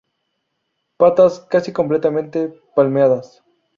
Patas casi completamente palmeadas.